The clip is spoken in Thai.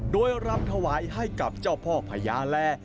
โดยรำถวายให้กับเจ้าพ่อพญาแล